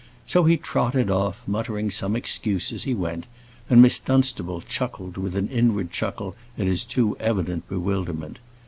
So he trotted off, muttering some excuse as he went, and Miss Dunstable chuckled with an inward chuckle at his too evident bewilderment.